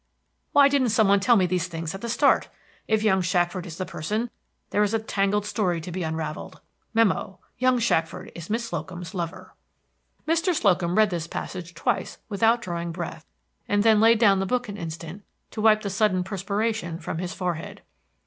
Why didn't some one tell me these things at the start! If young Shackford is the person, there is a tangled story to be unraveled. Mem: Young Shackford is Miss Slocum's lover." Mr. Slocum read this passage twice without drawing breath, and then laid down the book an instant to wipe the sudden perspiration from his forehead.